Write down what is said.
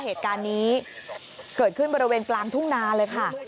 เหตุการณ์นี้เกิดขึ้นบริเวณกลางทุ่งนาเลยค่ะ